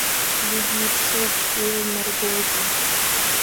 Зегь еиԥшуп, еилнаргозеи…